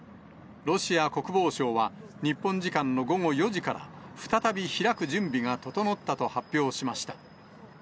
ロシア国防省は、日本時間の午後４時から、再び開く準備が整ったと発表しました。